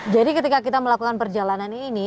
jadi ketika kita melakukan perjalanan ini